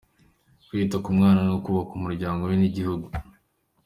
“Kwita ku mwana ni ukubaka umuryango we n’igihugu”